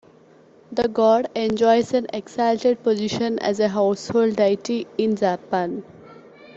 The god enjoys an exalted position as a household deity in Japan.